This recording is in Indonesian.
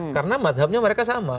karena masyarakatnya mereka sama